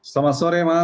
selamat sore mas